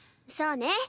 そうね。